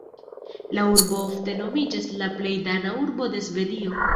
La urbo ofte nomiĝas "la plej dana urbo de Svedio".